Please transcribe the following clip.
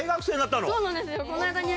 そうなんですよ。